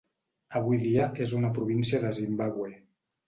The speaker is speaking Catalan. Avui dia és una província de Zimbàbue.